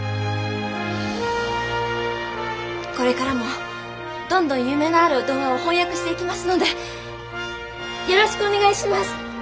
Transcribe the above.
これからもどんどん夢のある童話を翻訳していきますのでよろしくお願いします！